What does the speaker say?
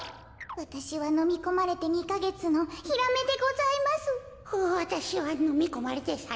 わたしはのみこまれて３ねんのタコでございます。